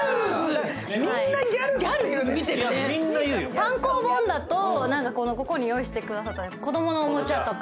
単行本だとここに用意してくださった「こどものおもちゃ」とか。